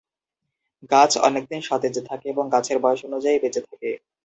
গাছ অনেকদিন সতেজ থাকে এবং গাছের বয়স অনুযায়ী বেঁচে থাকে।